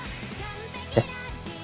えっ？